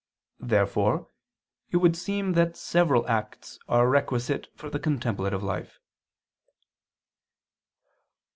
Therefore it would seem that several acts are requisite for the contemplative life.